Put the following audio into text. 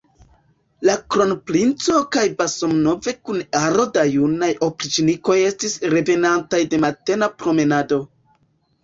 La kronprinco kaj Basmanov kun aro da junaj opriĉnikoj estis revenantaj de matena promenado.